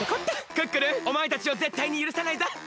クックルンおまえたちをぜったいにゆるさないぞ！